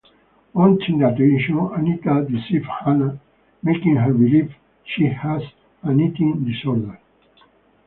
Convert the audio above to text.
Wanting the attention, Anita deceives Hannah, making her believe she has an eating disorder.